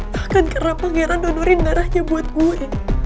bahkan karena pangeran donorin darahnya buat gue